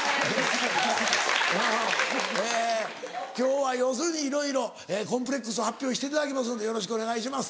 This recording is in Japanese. え今日は要するにいろいろコンプレックスを発表していただきますのでよろしくお願いします。